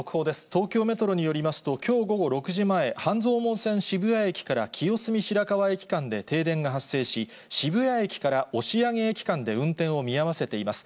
東京メトロによりますと、きょう午後６時前、半蔵門線渋谷駅から清澄白河駅間で停電が発生し、渋谷駅から押上駅間で運転を見合わせています。